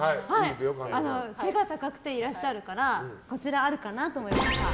背が高くていらっしゃるからこちらあるかなと思いました。